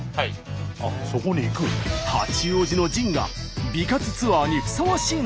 八王子のジンが美活ツアーにふさわしいのか？